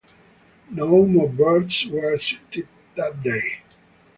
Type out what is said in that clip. No more birds were sighted that day.